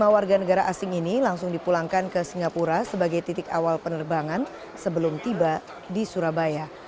lima warga negara asing ini langsung dipulangkan ke singapura sebagai titik awal penerbangan sebelum tiba di surabaya